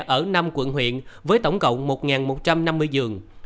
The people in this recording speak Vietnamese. ở năm quận huyện với tổng cộng một một trăm năm mươi giường